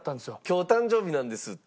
「今日誕生日なんです」って？